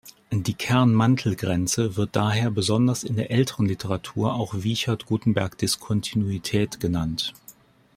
Die Kern-Mantel-Grenze wird daher besonders in der älteren Literatur auch Wiechert-Gutenberg-Diskontinuität genannt.